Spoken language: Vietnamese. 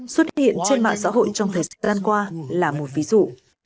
xuất hiện trên mạng xã hội trong thời gian qua là một ví dụ